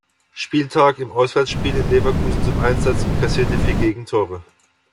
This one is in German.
Spieltag im Auswärtsspiel in Leverkusen zum Einsatz und kassierte vier Gegentore.